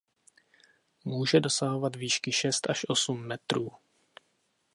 Může dosahovat výšky šest až osm metrů.